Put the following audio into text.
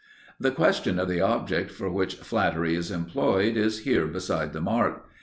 The question of the object for which flattery is employed is here beside the mark.